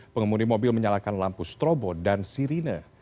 pengemudi mobil menyalakan lampu strobo dan sirine